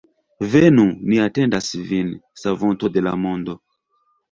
Venu, ni atendas vin, Savonto de la mondo.